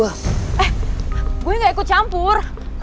eh gue gak ikut campur